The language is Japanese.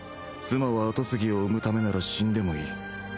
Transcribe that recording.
妻は跡継ぎを産むためなら死んでもいい